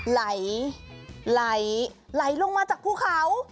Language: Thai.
ไหลไหลลงมาจากภูเขา